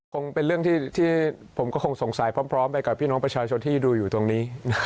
คงเป็นเรื่องที่ผมก็คงสงสัยพร้อมไปกับพี่น้องประชาชนที่ดูอยู่ตรงนี้